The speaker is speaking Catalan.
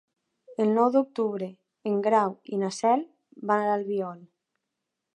El nou d'octubre en Grau i na Cel van a l'Albiol.